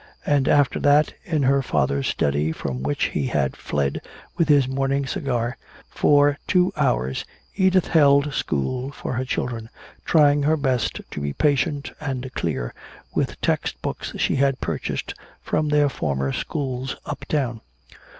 And after that, in her father's study from which he had fled with his morning cigar, for two hours Edith held school for her children, trying her best to be patient and clear, with text books she had purchased from their former schools uptown.